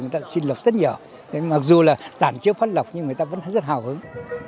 rất dở mặc dù là tản chiếu phát lộc nhưng người ta vẫn rất hào hứng